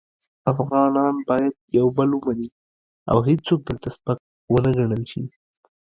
افغانان باید یو بل ومني او هیڅوک دلته سپک و نه ګڼل شي.